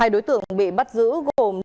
hai đối tượng bị bắt giữ gồm